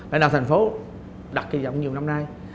vậy là thành phố đặt cái giọng nhiều năm nay